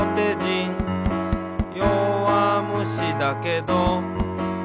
「よわむしだけど」